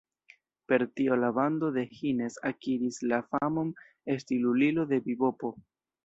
Per tio la bando de Hines akiris la famon esti "lulilo de bibopo".